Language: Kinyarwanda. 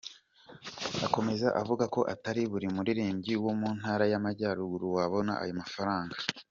Akomeza avuga ko atari buri muririmbyi wo mu Ntara y’Amajyaruguru wabona ayo mafaranga.